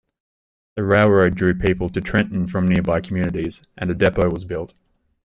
The railroad drew people to Trenton from nearby communities, and a depot was built.